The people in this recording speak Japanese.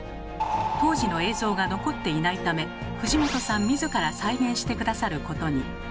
当時の映像が残っていないため藤本さん自ら再現して下さることに。